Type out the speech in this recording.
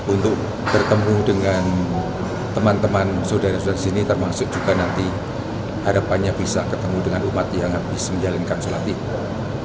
untuk bertemu dengan teman teman saudara saudara di sini termasuk juga nanti harapannya bisa ketemu dengan umat yang habis menjalankan sholat idul